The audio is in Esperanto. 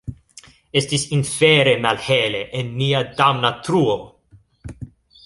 Estis infere malhele en nia damna truo!